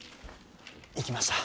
行きました。